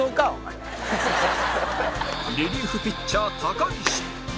リリーフピッチャー高岸